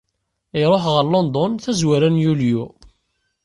Iruḥ ɣer London tazwara n yulyu.